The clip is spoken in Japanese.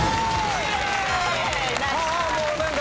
もう何か。